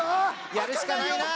やるしかないな。